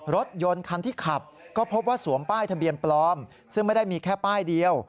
รถยนต์คันที่ขับก็พบว่าสวมป้ายทะเบียนปลอมซึ่งไม่ได้มีแค่ป้ายเดียว